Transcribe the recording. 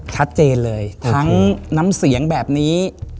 ชัดเจนเลยทั้งน้ำเสียงแบบนี้